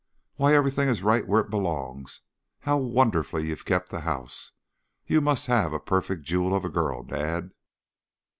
"Why, everything is right where it belongs! How wonderfully you've kept house! You must have a perfect jewel of a girl, dad!"